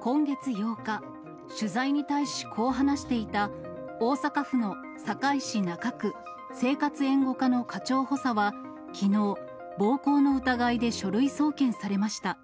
今月８日、取材に対しこう話していた、大阪府の堺市中区生活援護課の課長補佐は、きのう、暴行の疑いで書類送検されました。